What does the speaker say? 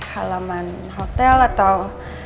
halaman hotel atau